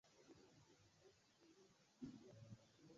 Anatokea Angola na Namibia tu katika pori yenye miti ya miiba.